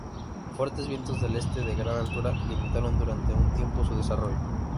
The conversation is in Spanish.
Fuertes vientos del este de gran altura limitaron durante un tiempo su desarrollo.